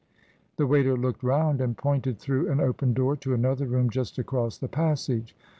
The waiter looked round, and pointed through an open door to another room just across the passage.